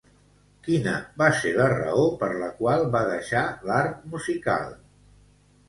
Quina va ser la raó per la qual va deixar l'art musical?